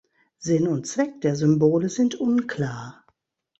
Sinn und Zweck der Symbole sind unklar.